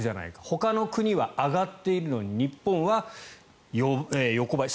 ほかの国は上がっているのに日本は横ばい。